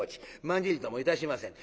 まんじりともいたしません。